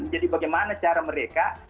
jadi bagaimana cara mereka